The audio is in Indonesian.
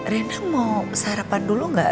rena mau sarapan dulu gak